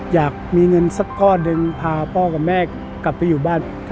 อยากมีเงินสักก้อนหนึ่งพาพ่อกับแม่กลับไปอยู่บ้าน